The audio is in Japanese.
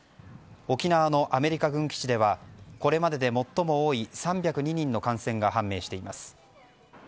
沖縄のアメリカ軍基地ではこれまでで最も多い３０２人の感染が判明しています。